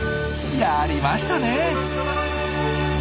やりましたね！